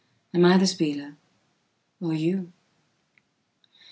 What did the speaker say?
am I the spieler? or you?